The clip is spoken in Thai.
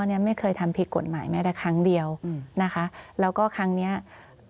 เนี้ยไม่เคยทำผิดกฎหมายแม้แต่ครั้งเดียวอืมนะคะแล้วก็ครั้งเนี้ยเอ่อ